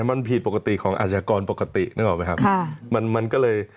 มันผิดปกติของอาชากรปกตินึกออกไหมครับ